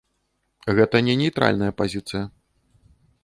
Гэта не нейтральная пазіцыя.